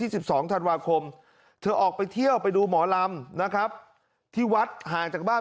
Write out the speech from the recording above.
สิบสองธันวาคมเธอออกไปเที่ยวไปดูหมอลำนะครับที่วัดห่างจากบ้าน